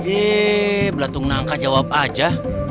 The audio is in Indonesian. ih belatung nangka jawab aja